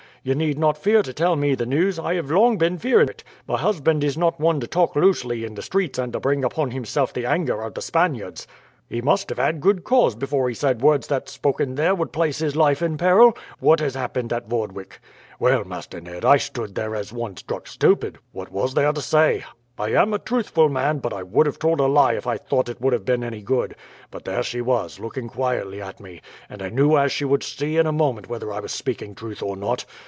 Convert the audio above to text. You need not fear to tell me the news; I have long been fearing it. My husband is not one to talk loosely in the streets and to bring upon himself the anger of the Spaniards. He must have had good cause before he said words that spoken there would place his life in peril. What has happened at Vordwyk?" "Well, Master Ned, I stood there as one struck stupid. What was there to say? I am a truthful man, but I would have told a lie if I had thought it would have been any good. But there she was, looking quietly at me, and I knew as she would see in a moment whether I was speaking truth or not.